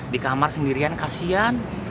di kamar sendirian kasihan